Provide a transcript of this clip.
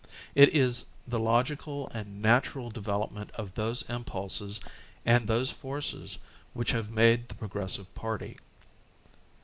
It is the logical and natural development of those impulses and those forces which have made the Progressive party.